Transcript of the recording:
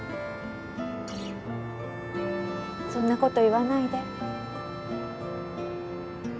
そんなこと言わないで